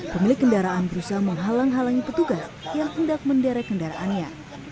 pemilik kendaraan berusaha menghalang halangi petugas yang hendak menderek kendaraannya